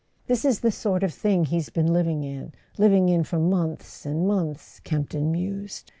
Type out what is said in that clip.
"This is the sort of thing he's been living in—living in for months and months," Campton mused.